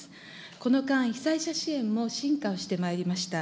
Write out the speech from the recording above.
この間、被災者支援も進化をしてまいりました。